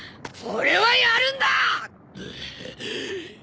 俺はやるんだ！